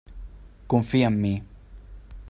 Confia en mi.